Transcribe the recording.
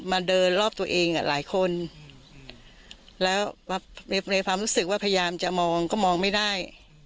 เดินรอบตัวเองหลายคนแล้วในความรู้สึกว่าพยายามจะมองก็มองไม่ได้